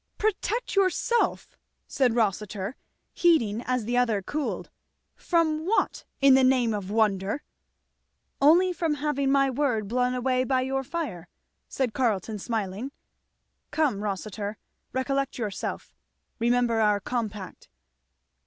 "Protect yourself!" said Rossitur, heating as the other cooled, from what, in the name of wonder?" "Only from having my word blown away by your fire," said Carleton, smiling. "Come, Rossitur, recollect yourself remember our compact."